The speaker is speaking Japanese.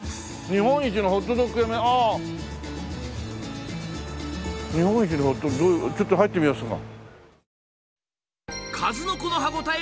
日本一のホットドッグどういうちょっと入ってみますか。